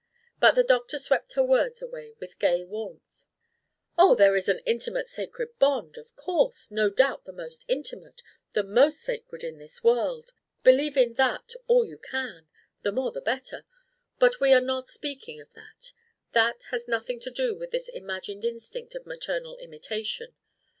But the doctor swept her words away with gay warmth: "Oh, there is the intimate sacred bond, of course! No doubt the most intimate, the most sacred in this world. Believe in that all you can: the more the better! But we are not speaking of that: that has nothing to do with this imagined instinct of maternal imitation.